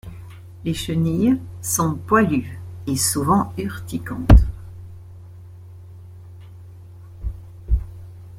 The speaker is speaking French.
Les chenilles sont poilues et souvent urticantes.